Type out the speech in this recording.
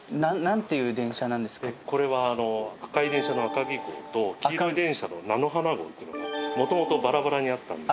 これは赤い電車のあかぎ号と黄色い電車のなの花号っていうのが元々バラバラにあったんです。